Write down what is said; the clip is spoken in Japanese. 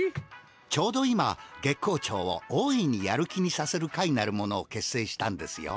ちょうど今「月光町を大いにやる気にさせる会」なるものをけっせいしたんですよ。